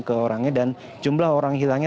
ke orangnya dan jumlah orang hilangnya